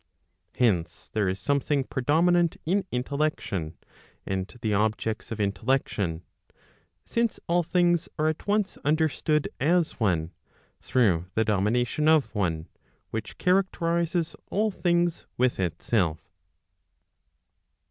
Hence there is something predominant in intellection, and the objects of intellection; since all things are at once understood as one, through the domination of one, which characterizes all things with itself.